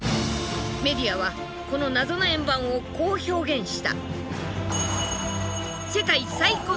メディアはこの謎の円盤をこう表現した。